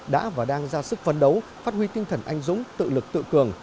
đã và đang ra sức phấn đấu phát huy tinh thần anh dũng tự lực tự cường